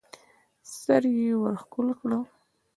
سر يې ورښکل کړ.